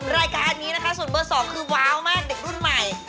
รายการนี้นะคะส่วนเบอร์๒คือว้าวมากเด็กรุ่นใหม่